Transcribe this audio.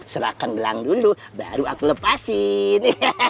serahkan belang dulu baru aku lepasin